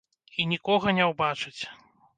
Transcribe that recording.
І нікога не ўбачыць.